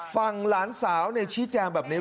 หลานสาวชี้แจงแบบนี้